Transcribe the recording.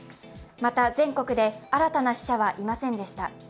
また全国で新たな死者はいませんでした。